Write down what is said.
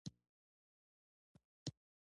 افغانستان د وحشي حیواناتو له مخې پېژندل کېږي.